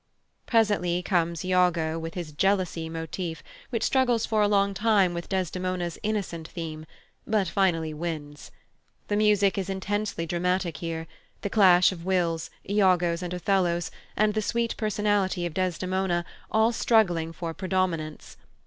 Presently comes Iago with his "jealousy" motif, which struggles for a long time with Desdemona's "innocent" theme, but finally wins. The music is intensely dramatic here: the clash of wills, Iago's and Othello's, and the sweet personality of Desdemona, all struggling for predominance.